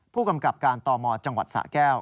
ผู้กำกับการตมจังหวัดสะแก้ว